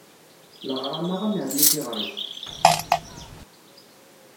Leɣṛama ad nernu tiɣrit.